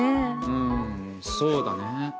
うんそうだね。